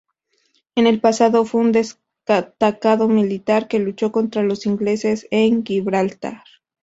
En el pasado fue un destacado militar que luchó contra los ingleses en Gibraltar.